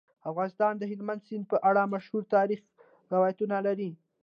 افغانستان د هلمند سیند په اړه مشهور تاریخی روایتونه لري.